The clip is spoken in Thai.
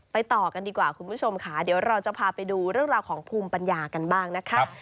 ต่อกันดีกว่าคุณผู้ชมค่ะเดี๋ยวเราจะพาไปดูเรื่องราวของภูมิปัญญากันบ้างนะคะ